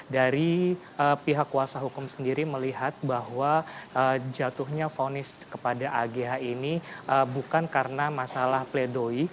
dari pihak kuasa hukum sendiri melihat bahwa jatuhnya fonis kepada agh ini bukan karena masalah pledoi